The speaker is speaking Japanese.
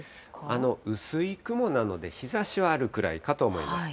薄い雲なので、日ざしはあるくらいかと思います。